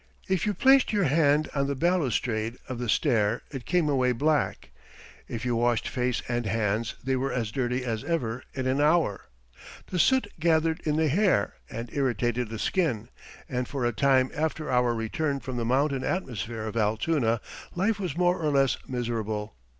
If you placed your hand on the balustrade of the stair it came away black; if you washed face and hands they were as dirty as ever in an hour. The soot gathered in the hair and irritated the skin, and for a time after our return from the mountain atmosphere of Altoona, life was more or less miserable.